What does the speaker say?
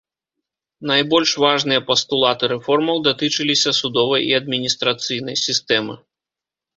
Найбольш важныя пастулаты рэформаў датычыліся судовай і адміністрацыйнай сістэмы.